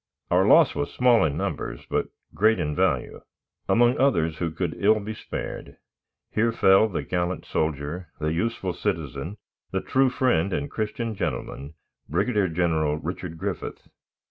Our loss was small in numbers but great in value. Among others who could ill be spared, here fell the gallant soldier, the useful citizen, the true friend and Christian gentleman, Brigadier General Richard Griffith.